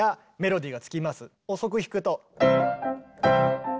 遅く弾くと。